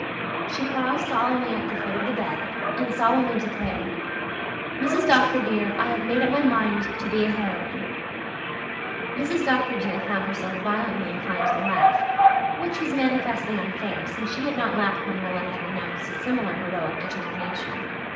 She paused solemnly at the foot of the bed and solemnly declared, "Mrs. Dr. dear, I have made up my mind to be a heroine." "Mrs. Dr. dear" found herself violently inclined to laugh which was manifestly unfair, since she had not laughed when Rilla had announced a similar heroic determination.